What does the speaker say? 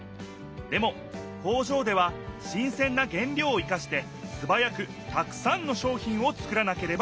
でも工場では新せんな原料を生かしてすばやくたくさんの商品をつくらなければならない。